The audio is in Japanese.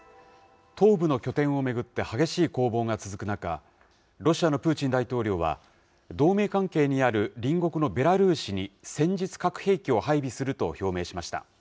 東部の拠点を巡って激しい攻防が続く中、ロシアのプーチン大統領は、同盟関係にある隣国のベラルーシに戦術核兵器を配備すると表明しました。